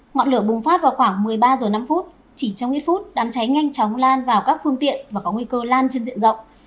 ngọn lửa bùng phát vào khoảng một mươi ba h năm chỉ trong ít phút đám cháy nhanh chóng lan vào các phương tiện và có nguy cơ lan trên diện rộng